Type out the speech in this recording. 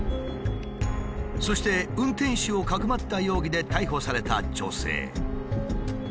そして運転手をかくまった容疑で逮捕された女性。